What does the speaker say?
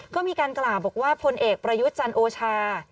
ก็มีการกล่าวบอกว่าพลเอกประยุทธ์จันโอชา